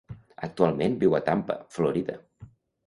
Actualment viu a Tampa, Florida.